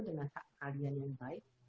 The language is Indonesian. dengan hak kalian yang baik